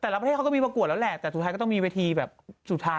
ประเทศเขาก็มีประกวดแล้วแหละแต่สุดท้ายก็ต้องมีเวทีแบบสุดท้าย